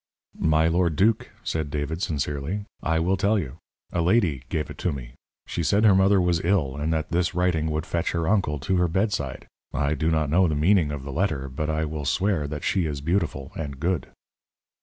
"My lord duke," said David, sincerely, "I will tell you. A lady gave it me. She said her mother was ill, and that this writing would fetch her uncle to her bedside. I do not know the meaning of the letter, but I will swear that she is beautiful and good."